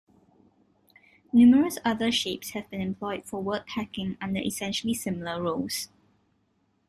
Numerous other shapes have been employed for word-packing under essentially similar rules.